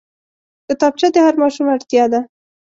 کتابچه د هر ماشوم اړتيا ده